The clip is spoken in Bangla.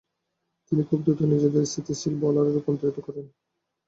তিনি খুব দ্রুত নিজেকে স্থিতিশীল বোলারে রূপান্তরিত করেন।